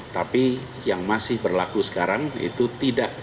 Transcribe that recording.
tapi yang masih berlaku sekarang itu tidak